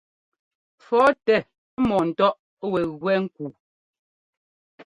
Fɔ̌tɛ mɔ̂ɔntɔ́ʼ wɛ gúɛ́ nkuu.